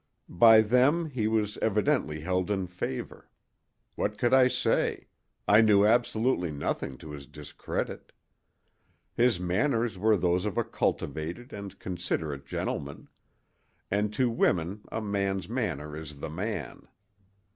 By them he was evidently held in favor. What could I say? I knew absolutely nothing to his discredit. His manners were those of a cultivated and considerate gentleman; and to women a man's manner is the man.